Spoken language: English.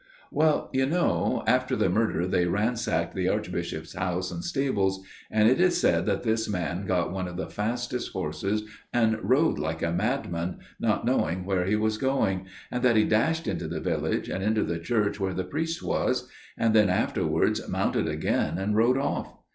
"'Well, you know, after the murder they ransacked the Archbishop's house and stables: and it is said that this man got one of the fastest horses and rode like a madman, not knowing where he was going; and that he dashed into the village, and into the church where the priest was: and then afterwards, mounted again and rode off.